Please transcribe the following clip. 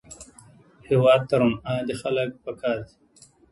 هېواد ته روڼ اندي خلک پکار دي